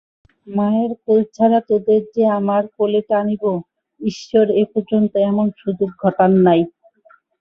মায়ের-কোল-ছাড়া তোদের যে আমার কোলে টানিব, ঈশ্বর এপর্যন্ত এমন সুযোগ ঘটান নাই।